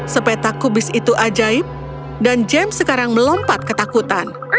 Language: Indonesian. sepetak kubis itu ajaib dan james sekarang melompat ketakutan